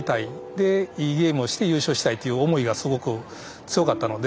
でいいゲームをして優勝したいという思いがすごく強かったので。